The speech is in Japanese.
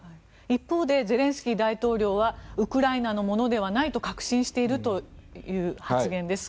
一方でゼレンスキー大統領はウクライナのものではないと確信しているという発言です。